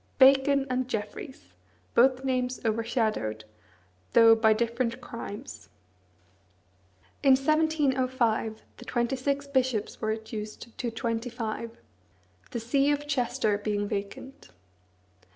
Bacon and Jeffreys! both names overshadowed, though by different crimes. In 1705, the twenty six bishops were reduced to twenty five, the see of Chester being vacant.